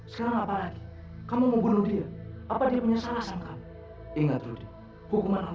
sampai jumpa di video selanjutnya